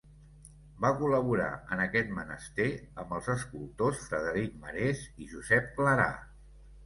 Va col·laborar en aquest menester amb els escultors Frederic Marès i Josep Clarà.